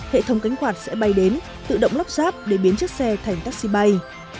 hệ thống cánh quạt sẽ bay đến tự động lắp ráp để biến chiếc xe thành taxi bay